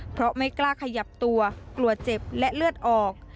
เพราะไม่กล้าขยับตัวกลัวกลัวเจ็บและเลือดออก